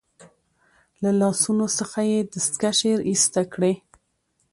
له لاسونو څخه يې دستکشې ایسته کړې.